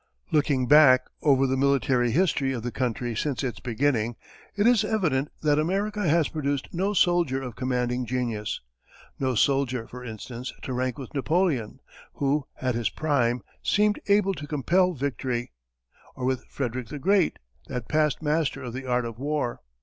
Looking back over the military history of the country since its beginning, it is evident that America has produced no soldier of commanding genius no soldier, for instance, to rank with Napoleon, who, at his prime, seemed able to compel victory; or with Frederick the Great, that past master of the art of war.